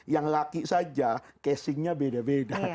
yang laki saja casingnya beda beda